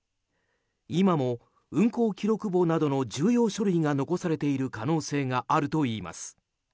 今も運航記録簿などの重要書類が残されている可能性があるといいます。